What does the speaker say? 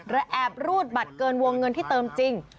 และแอบรูดบัตรเกินวงเงินที่เติมจริง